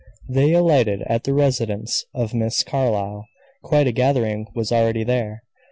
They alighted at the residence of Miss Carlyle. Quite a gathering was already there.